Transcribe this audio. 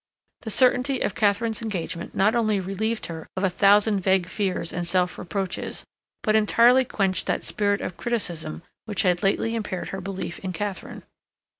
The certainty of Katharine's engagement not only relieved her of a thousand vague fears and self reproaches, but entirely quenched that spirit of criticism which had lately impaired her belief in Katharine.